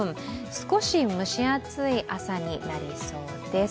少し蒸し暑い朝になりそうです。